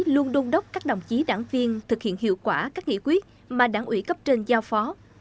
luôn đôn đốc các đồng chí đảng viên thực hiện hiệu quả các nghị quyết mà đảng ủy cấp trên giao phó